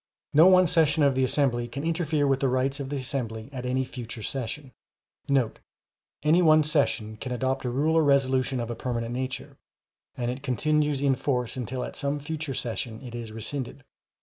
No one session of the assembly can interfere with the rights of the assembly at any future session,* [Any one session can adopt a rule or resolution of a permanent nature, and it continues in force until at some future session it is rescinded.